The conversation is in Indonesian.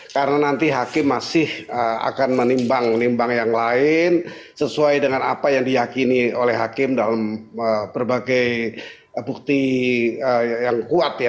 karena nanti hakim masih akan menimbang menimbang yang lain sesuai dengan apa yang diyakini oleh hakim dalam berbagai bukti yang kuat ya